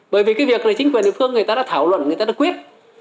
bởi vì cái việc là chính quyền địa phương người ta đã thảo luận người ta đã quyết